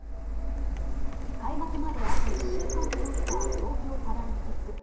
開幕まであと１週間となった東京パラリンピック。